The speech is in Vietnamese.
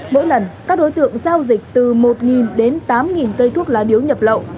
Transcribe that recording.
mỗi lần các đối tượng giao dịch từ một đến tám cây thuốc lá điếu nhập lậu